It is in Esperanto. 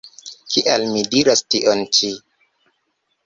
Kial mi diras tion ĉi?